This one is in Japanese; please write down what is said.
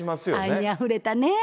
愛にあふれたね。